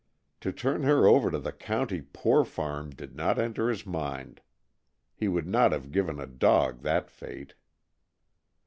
To turn her over to the county poor farm did not enter his mind. He would not have given a dog that fate.